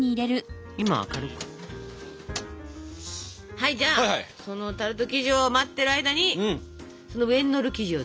はいじゃあそのタルト生地を待ってる間にその上にのる生地を作りましょうね。